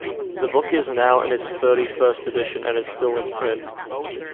The book is now in its thirty-first edition and is still in print.